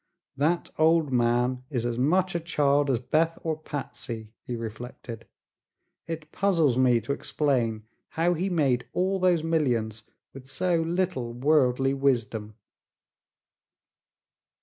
"That old man is as much a child as Beth or Patsy," he reflected. "It puzzles me to explain how he made all those millions with so little worldly wisdom."